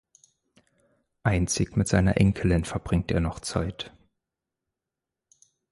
Einzig mit seiner Enkelin verbringt er noch Zeit.